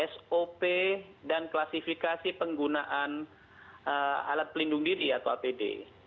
sop dan klasifikasi penggunaan alat pelindung diri atau apd